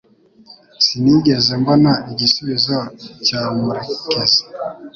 Sinigeze mbona igisubizo cya murekezi